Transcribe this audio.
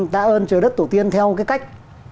tạ ơn trời đất tổ tiên theo cái cách